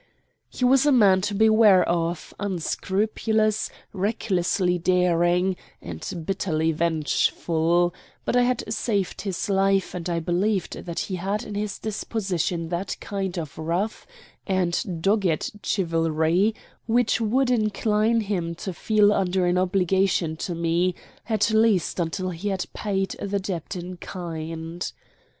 He was a man to beware of, unscrupulous, recklessly daring, and bitterly vengeful; but I had saved his life, and I believed that he had in his disposition that kind of rough and dogged chivalry which would incline him to feel under an obligation to me, at least until he had paid the debt in kind.